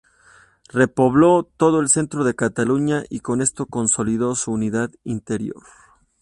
Repobló todo el centro de Cataluña y con esto consolidó su unidad interior.